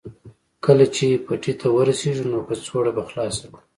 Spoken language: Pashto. کله چې پټي ته ورسېږو نو کڅوړه به خلاصه کړو